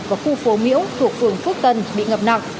và khu phố miễu thuộc phường phước tân bị ngập nặng